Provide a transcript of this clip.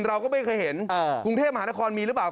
เราก็ไม่เคยเห็นกรุงเทพมหานครมีหรือเปล่า